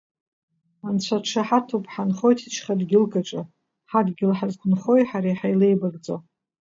Анцәа дшаҳаҭуп ҳанхоит шьха дгьылкаҿ, ҳадгьыл ҳазқәынхои ҳареи ҳаилеибакӡо.